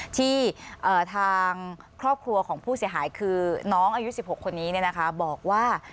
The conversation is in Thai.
ที่ทางครอบครัวของผู้เสียหายคือน้องอายุ๑๖คนนี้บอกว่า